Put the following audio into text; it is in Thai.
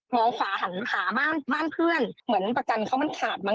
งขวาหันหาบ้านเพื่อนเหมือนประกันเขามันขาดมั้